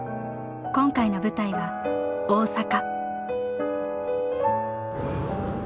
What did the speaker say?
今回の舞台は大阪。